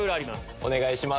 お願いします。